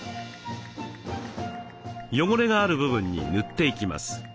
汚れがある部分に塗っていきます。